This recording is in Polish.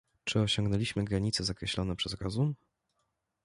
"Czy osiągnęliśmy granice, zakreślone przez rozum?"